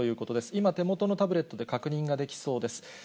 今、手元のタブレットで確認ができそうです。